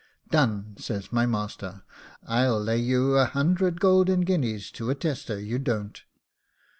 'Done,' says my master; 'I'll lay you a hundred golden guineas to a tester you don't.